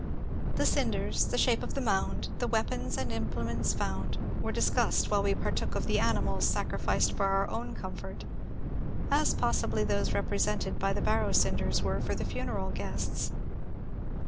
The cinders, the shape of the mound, the weapons and implements fotmd, were discussed while we partook of the animals sacrificed for our own comfort, — as possibly those represented by the barrow einders were for the funeral guests.